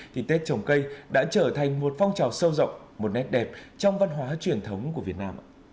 thì tết trồng cây đã trở thành một phong trào sâu rộng một nét đẹp trong văn hóa truyền thống của việt nam